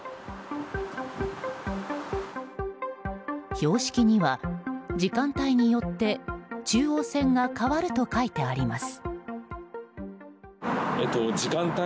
標識には、時間帯によって中央線が変わると書いてあります。